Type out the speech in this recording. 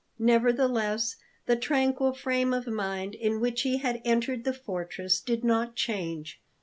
Nevertheless, the tranquil frame of mind in which he had entered the fortress did not change.